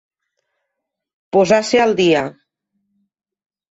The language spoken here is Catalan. Posar-se al dia.